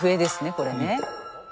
これね。